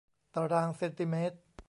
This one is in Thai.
ตารางเซนติเมตร